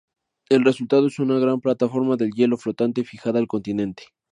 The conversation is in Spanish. El resultado es una gran plataforma de hielo flotante fijada al continente.